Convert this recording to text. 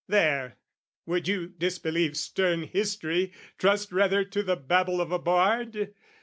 There, would you disbelieve stern History, Trust rather to the babble of a bard?